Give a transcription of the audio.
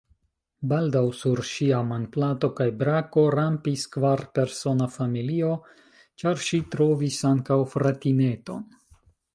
Baldaŭ sur ŝia manplato kaj brako rampis kvarpersona familio, ĉar ŝi trovis ankaŭ fratineton.